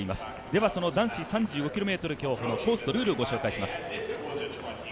ではその男子３５ｋｍ競歩のコースとルールをお送りします。